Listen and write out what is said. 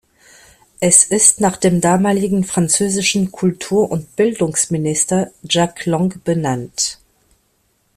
Es ist nach dem damaligen französischen Kultur- und Bildungsminister Jack Lang benannt.